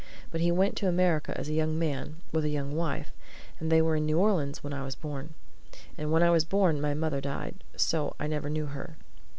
But he went to America as a young man, with a young wife, and they were in New Orleans when I was born. And when I was born, my mother died. So I never saw her."